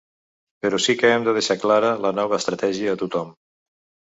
Però sí que hem de deixar clara la nova estratègia a tothom.